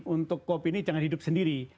untuk kopi ini jangan hidup sendiri